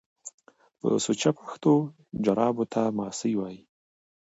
په سوچه پښتو جرابو ته ماسۍ وايي